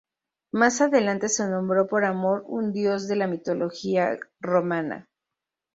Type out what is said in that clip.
Más adelante se nombró por Amor, un dios de la mitología romana.